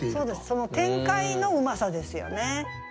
その展開のうまさですよね。